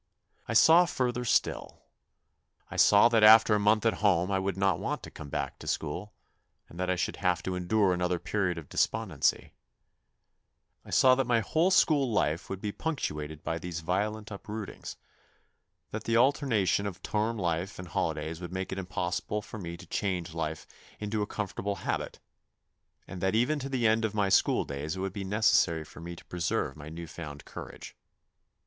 I saw further still. I saw that after a month at home I would not want to come back to school, and that I should have to endure another period of despondency. I 78 THE NEW BOY saw that my whole school life would be punctuated by these violent uprootings, that the alternation of term time and holidays would make it impossible for me to change life into a comfortable habit, and that even to the end of my school days it would be necessary for me to preserve my new found courage.